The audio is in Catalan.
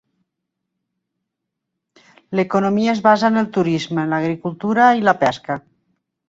L'economia es basa en el turisme, l'agricultura i la pesca.